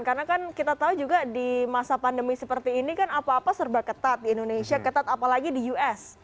karena kan kita tahu juga di masa pandemi seperti ini kan apa apa serba ketat di indonesia ketat apalagi di us